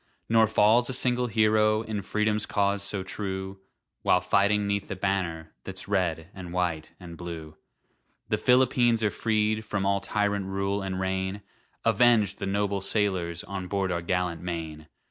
Nor falls a single hero In Freedom's cause so true, While fighting 'neath the banner That's red and white and blue. The Philippines are freed from All tyrant rule and reign, Avenged the noble sailors On board our gallant Maine!